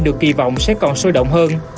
được kỳ vọng sẽ còn sôi động hơn